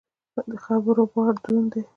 د خبرو بار دروند دی.